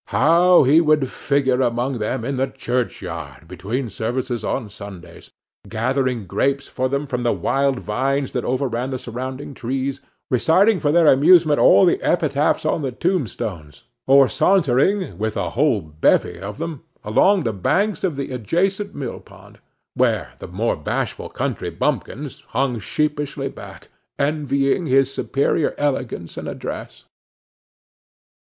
How he would figure among them in the churchyard, between services on Sundays; gathering grapes for them from the wild vines that overran the surrounding trees; reciting for their amusement all the epitaphs on the tombstones; or sauntering, with a whole bevy of them, along the banks of the adjacent millpond; while the more bashful country bumpkins hung sheepishly back, envying his superior elegance and address.